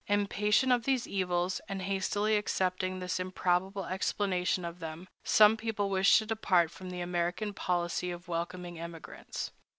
Impatient of these evils, and hastily accepting this improbable explanation of them, some people wish to depart from the American policy of welcoming immigrants.